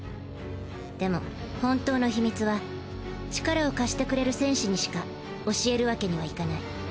でも本当の秘密は力を貸してくれる戦士にしか教えるわけにはいかない。